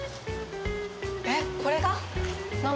えっこれが？